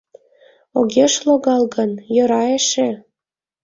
Огеш логал гын, йӧра эше.